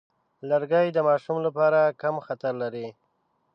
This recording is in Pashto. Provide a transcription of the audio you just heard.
لرګی د ماشوم لپاره کم خطر لري.